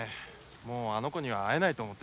もうあの子には会えないと思ってた。